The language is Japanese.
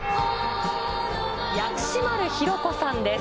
薬師丸ひろ子さんです。